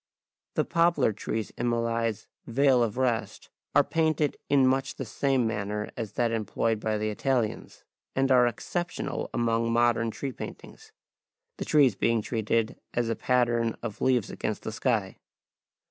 The poplar trees in Millais' "Vale of Rest" are painted in much the same manner as that employed by the Italians, and are exceptional among modern tree paintings, the trees being treated as a pattern of leaves against the sky.